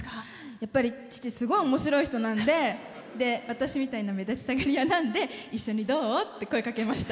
やっぱり父、すごいおもしろい人なんで私みたいな目立ちたがり屋なんで一緒にどう？って声かけました。